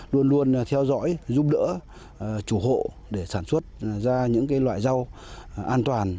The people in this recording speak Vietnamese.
luôn luôn theo dõi giúp đỡ chủ hộ để sản xuất ra những loại rau an toàn